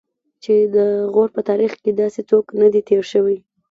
چې د غور په تاریخ کې داسې څوک نه دی تېر شوی.